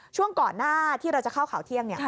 ช่วงก่อนหน้าที่เราจะเข้าข่าวเที่ยง